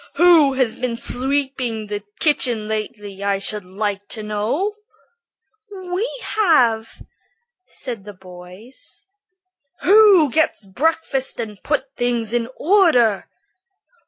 Who has been sweeping the kitchen lately, I should like to know?" "We have," said the boys. "Who gets breakfast and puts things in order?"